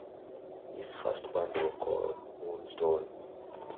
His first band were called Moonstone.